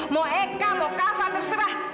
mau eka mau kava terserah